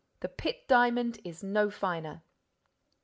The Pitt Diamond is no finer!"